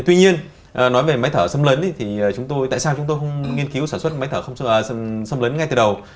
tuy nhiên nói về máy thở xâm lấn thì tại sao chúng tôi không nghiên cứu sản xuất máy thở xâm lấn ngay từ đầu